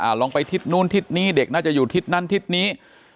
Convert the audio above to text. ลองไปทิศนู้นทิศนี้เด็กน่าจะอยู่ทิศนั้นทิศนี้